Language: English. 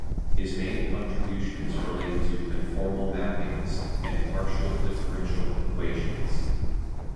His main contributions relate to conformal mappings and partial differential equations.